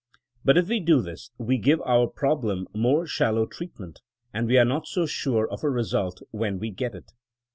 But if we do this we give our problem more shallow treat ment, and we are not so sure of a result when we get it.